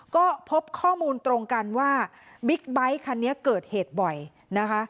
ก็พบข้อมูลตรงกันว่าบิ๊กไบท์คันนี้เกิดเหตุบ่อยนะคะ